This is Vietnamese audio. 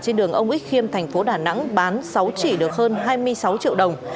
trên đường ông ích khiêm tp đà nẵng bán sáu trị được hơn hai mươi sáu triệu đồng